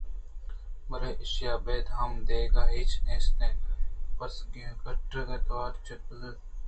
بلئے ایشیءَابید ہم دگہ ہچ نیست اتءُ بس کٹگ ءِ توار چِدءُ بُرز تر اَت